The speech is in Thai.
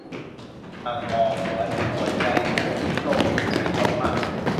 ห่างห่อหวนป่วนใจโหย ตรงนี้ไพเราะมาก